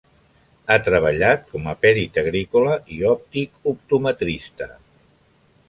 Ha treballat com a perit agrícola i òptic optometrista.